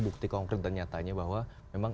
bukti konkret dan nyatanya bahwa memang